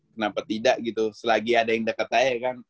kenapa tidak gitu selagi ada yang dekat saya kan